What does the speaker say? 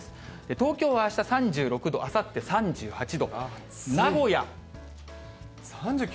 東京はあした３６度、あさって３８度、３９。